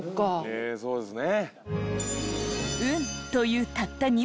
ええそうですね。